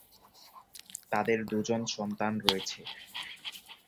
তাদের দু'জন সন্তান রয়েছে।